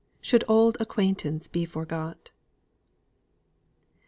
"SHOULD AULD ACQUAINTANCE BE FORGOT."